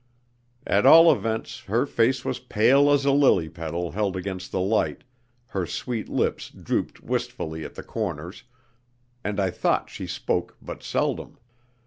At all events, her face was pale as a lily petal held against the light, her sweet lips drooped wistfully at the corners, and I thought she spoke but seldom.